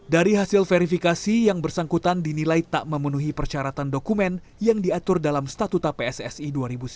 dari hasil verifikasi yang bersangkutan dinilai tak memenuhi persyaratan dokumen yang diatur dalam statuta pssi dua ribu sembilan belas